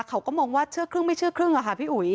เขาก็มองว่าเชื่อครึ่งไม่เชื่อครึ่งอะค่ะพี่อุ๋ย